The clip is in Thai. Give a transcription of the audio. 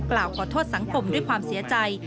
กล่าวขอโทษสังคมด้วยความเสียใจ